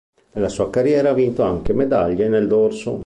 Nella sua carriera ha vinto anche medaglie nel dorso.